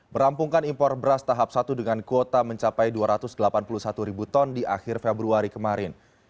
merampungkan impor beras tahap satu dengan kuota mencapai dua ratus delapan puluh satu ribu ton di akhir februari kemarin